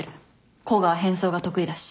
甲賀は変装が得意だし。